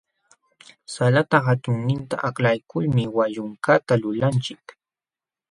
Salata hatunninta aklaykulmi wayunkata lulanchik.